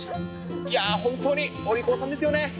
いやー、本当におりこうさんですよね。